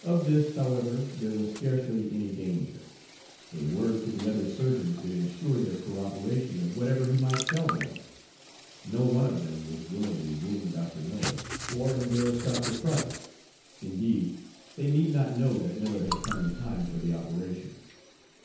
Of this, however, there was scarcely any danger. A word to the other surgeons would insure their corroboration of whatever he might tell Miller. No one of them would willingly wound Dr. Miller or embarrass Dr. Price; indeed, they need not know that Miller had come in time for the operation.